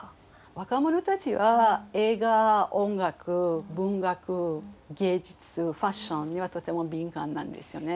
若者たちは映画音楽文学芸術ファッションにはとても敏感なんですよね。